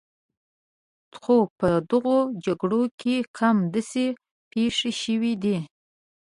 خو په دغو جګړو کې کم داسې پېښ شوي دي.